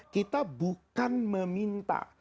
kita bukan meminta